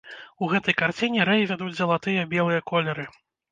У гэтай карціне рэй вядуць залатыя і белыя колеры.